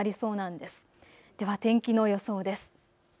では天気の予想です。